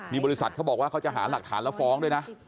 นี่บริษัทเขาบอกว่าเขาจะหาหลักฐานแล้วฟ้องด้วยนะ